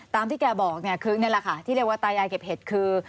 ที่แกบอกเนี่ยคือนี่แหละค่ะที่เรียกว่าตายายเก็บเห็ดคือ